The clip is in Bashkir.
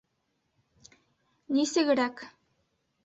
Нисегерәк?